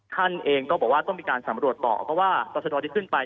ท่านเองก็บอกว่าต้องมีการสำรวจต่อเพราะว่าตรชนที่ขึ้นไป